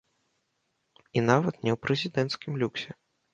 І нават не ў прэзідэнцкім люксе.